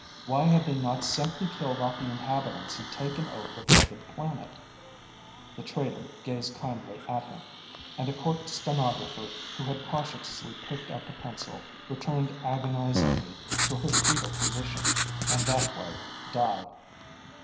Why had they not simply killed off the inhabitants and taken over the vacant planet? The traitor gazed kindly at him; and a court stenographer who had cautiously picked up a pencil returned agonizingly to her foetal position and, that way, died.